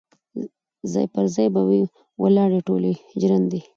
ځاي پر ځای به وي ولاړي ټولي ژرندي